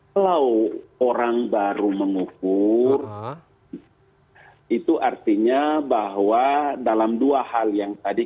kalau orang baru mengukur itu artinya bahwa dalam dua hal yang tadi